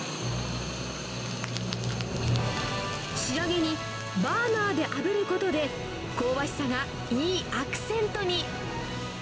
仕上げに、バーナーであぶることで、香ばしさがいいアクセントに。